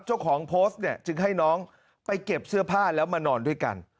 เจ้าของโพสต์เนี่ยจึงให้น้องไปเก็บเสื้อผ้าแล้วมานอนด้วยกัน